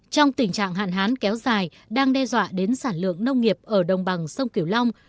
trong tình trạng hạn hán kéo dài đang đe dọa đến sản lượng nông nghiệp ở đồng bằng sông kiểu long